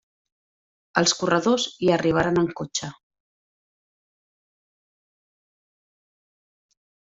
Els corredors hi arribaren en cotxe.